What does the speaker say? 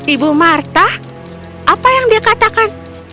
ibu marta apa yang dia katakan